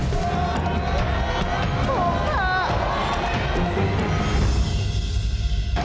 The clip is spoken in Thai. ถูกเถอะ